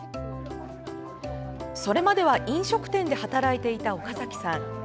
それまでは飲食店で働いていた岡崎さん。